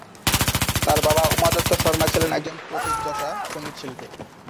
তার বাবা উমা দত্ত শর্মা ছিলেন একজন প্রথিতযশা সংগীতশিল্পী।